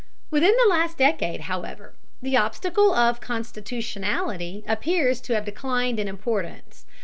Within the last decade, however, the obstacle of constitutionality appears to have declined in importance.